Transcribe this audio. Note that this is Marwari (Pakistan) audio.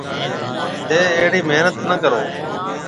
ٿَي اھڙِي محنت نِي ڪرو۔